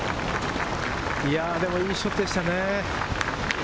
でも、いいショットでしたね。